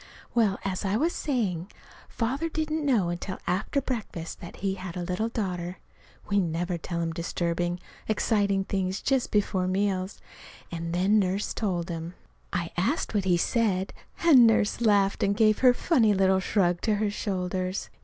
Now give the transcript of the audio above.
Well, as I was saying, Father didn't know until after breakfast that he had a little daughter. (We never tell him disturbing, exciting things just before meals.) And then Nurse told him. I asked what he said, and Nurse laughed and gave her funny little shrug to her shoulders.